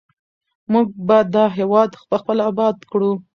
موږ به دا هېواد پخپله اباد کړو.